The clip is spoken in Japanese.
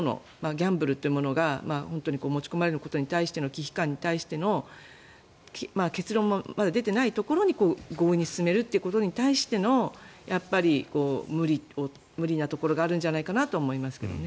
ギャンブルというものが本当に持ち込まれることに対して危機感に対しても結論もまだ出ていないところに強引に進めることに対しての無理なところがあるんじゃないかなと思いますけどね。